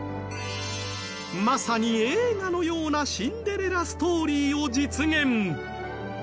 まさに映画のようなシンデレラストーリーを実現。